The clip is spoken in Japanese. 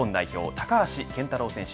高橋健太郎選手